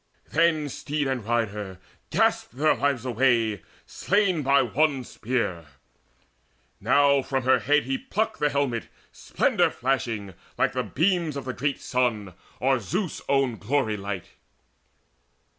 Then steed and rider gasped their lives away Slain by one spear. Now from her head he plucked The helmet splendour flashing like the beams Of the great sun, or Zeus' own glory light.